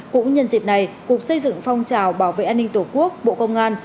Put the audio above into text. cũng nhân dịp này cục xây dựng phong trào bảo vệ an ninh tổ quốc bộ công an